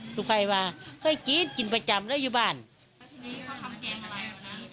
ทุกคนว่าค่อยกินกินประจำเลยอยู่บ้านแล้วทีนี้เขาทำแจงอะไร